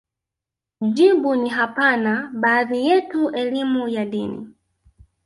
jibu ni hapana Baadhi yetu elimu ya dini